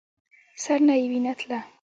سر نه يې وينه تله.